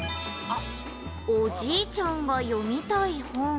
「おじいちゃんが読みたい本」